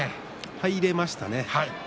入れましたね。